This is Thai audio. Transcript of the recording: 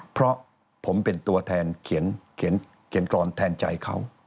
เพราะผมเป็นตัวแทนเขียนกรอนแทนใจเขา